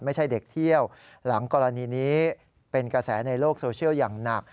ไม่ใช่เด็กเที่ยวหลังกรณีนี้เป็นกระแสในโลกโซเชียลอย่างหนัก